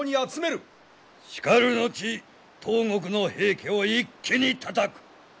しかる後東国の平家を一気にたたく！